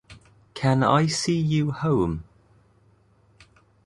Can I see you home?